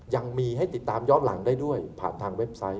ยังมีให้ติดตามย้อนหลังได้ด้วยผ่านทางเว็บไซต์